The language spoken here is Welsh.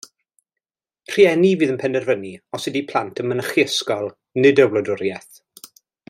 Rhieni fydd yn penderfynu os ydi plant yn mynychu ysgol, nid y wladwriaeth.